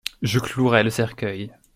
Je clouerai le cercueil.